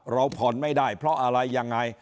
เราผ่อนไม่ได้เพราะอะไรยังไง